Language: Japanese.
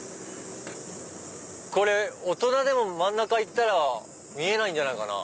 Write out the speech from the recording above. これ大人でも真ん中行ったら見えないんじゃないかな。